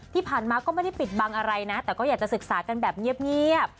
ที่ผ่านมาก็ไม่ได้ปิดบังอะไรนะแต่ก็อยากจะศึกษากันแบบเงียบ